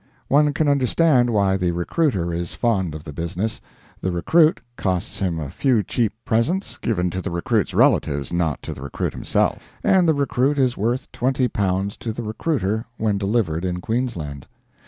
One can understand why the recruiter is fond of the business; the recruit costs him a few cheap presents (given to the recruit's relatives, not to the recruit himself), and the recruit is worth L20 to the recruiter when delivered in Queensland.